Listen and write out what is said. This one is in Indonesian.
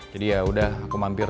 jadi yaudah aku mampir